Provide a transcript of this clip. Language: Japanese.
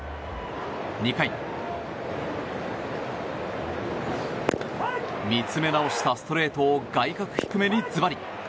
２回、見つめなおしたストレートを外角低めにズバリ。